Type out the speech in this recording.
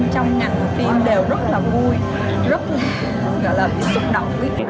trong ngành phim đều rất là vui rất là xúc động